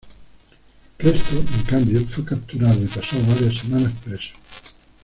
Cresto, en cambio, fue capturado y pasó varias semanas preso.